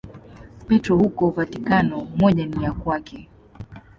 Petro huko Vatikano, moja ni ya kwake.